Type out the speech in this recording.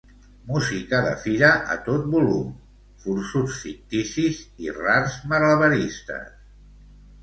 Música de fira a tot volum, forçuts ficticis i rars malabaristes.